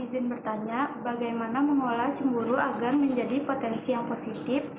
izin bertanya bagaimana mengolah cemburu agar menjadi potensi yang positif